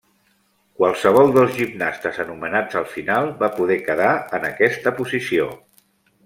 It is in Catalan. Qualsevol dels gimnastes anomenats al final va poder quedar en aquesta posició.